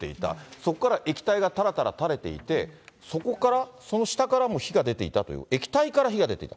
そこから液体がたらたらたれていて、そこから、その下からも火が出ていたという、どういうこと？